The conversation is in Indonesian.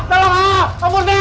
tolong lah abun dah